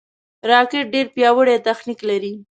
راکټ ډېر پیاوړی تخنیک لري